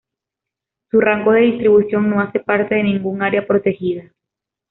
Su rango de distribución no hace parte de ningún área protegida.